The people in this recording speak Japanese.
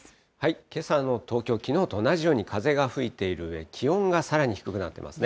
けさの東京、きのうと同じように風が吹いているうえ、気温がさらに低くなっていますね。